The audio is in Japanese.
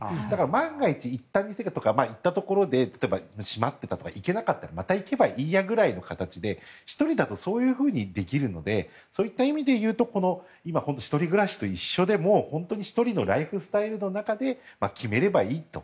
万が一、行った店だとか行ったところで閉まっていたとかしたらまた行けばいいやぐらいの形で１人だとそういうふうにできるのでそういった意味だとこの１人暮らしと一緒で１人のライフスタイルの中で決めればいいと。